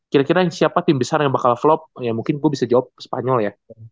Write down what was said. kira kira siapa tim besar yang bakal vlop ya mungkin gue bisa jawab ke spanyol ya